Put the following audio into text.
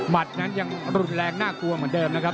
นั้นยังรุนแรงน่ากลัวเหมือนเดิมนะครับ